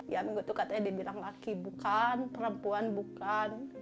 ya minggu itu katanya dibilang laki bukan perempuan bukan